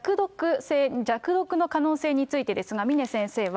弱毒の可能性についてですが、峰先生は、